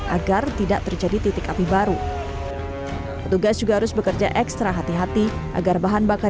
agar tidak terjadi titik api baru petugas juga harus bekerja ekstra hati hati agar bahan bakar